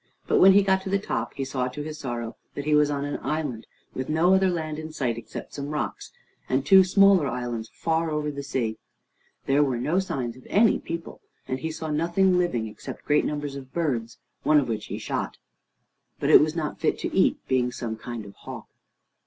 But when he got to the top, he saw to his sorrow that he was on an island, with no other land in sight except some rocks, and two smaller islands far over the sea. There were no signs of any people, and he saw nothing living except great numbers of birds, one of which he shot. But it was not fit to eat, being some kind of hawk.